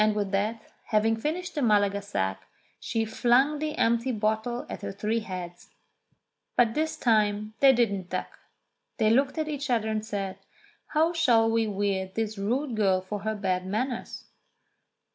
And with that, having finished the Malaga sack, she flung the empty bottle at the three heads. But this time they didn't duck. They looked at each other and said, "How shall we weird this rude girl for her bad manners